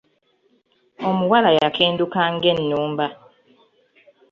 Omuwala yakenduka nga Ennumba.